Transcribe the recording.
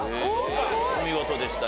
お見事でしたね。